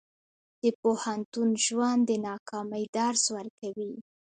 د پوهنتون ژوند د ناکامۍ درس ورکوي.